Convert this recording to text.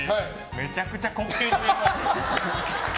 めちゃくちゃ滑稽に見えます。